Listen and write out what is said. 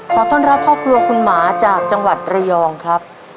ขอต้อนรับครอบครัวคุณหมาจากจังหวัดระยองครับ